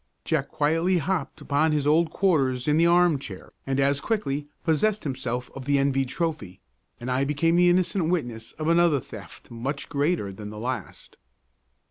Jack quietly hopped upon his old quarters in the armchair and as quickly possessed himself of the envied trophy, and I became the innocent witness of another theft much greater than the last.